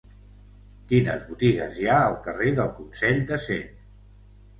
Quines botigues hi ha al carrer del Consell de Cent?